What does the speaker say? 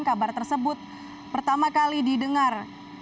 dan kabar tersebut pertama kali didengar